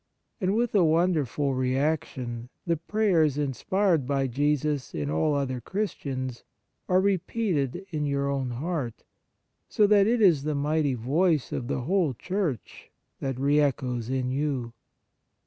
And, with a wonderful reaction, the prayers inspired by Jesus in all other Christians are repeated in your own heart, so that it is the mighty voice of the whole Church that re echoes in you.